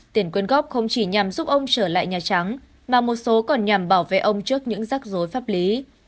tiền quyên góp không chỉ nhằm giúp ông trở lại nhà trắng mà một số còn nhằm bảo vệ ông trước những rắc rối pháp lý